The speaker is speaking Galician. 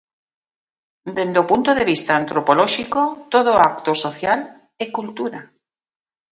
Dende o punto de vista antropolóxico todo acto social é cultura.